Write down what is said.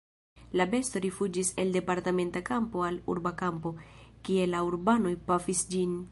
La besto rifuĝis el departementa kampo al urba kampo, kie la urbanoj pafis ĝin.